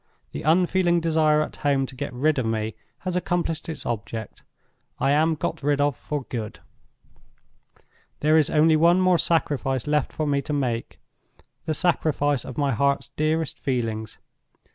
The unfeeling desire at home to get rid of me has accomplished its object. I am got rid of for good. "There is only one more sacrifice left for me to make—the sacrifice of my heart's dearest feelings.